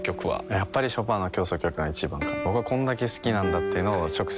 やっぱりショパンの協奏曲が一番かなと僕はこれだけ好きなんだというのを直接伝えたいです